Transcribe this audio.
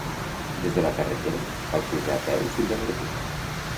Des de la carretera, cal pujar a peu fins a l'ermita.